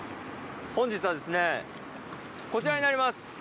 本日はこちらになります！